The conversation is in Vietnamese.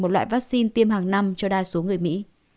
một loại vaccine tiêm hàng năm cho đa số người mỹ